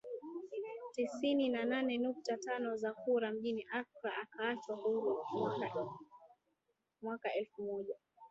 tisini na nane nukta tano za kura mjini Accra akaachwa huru Mwaka elfu moja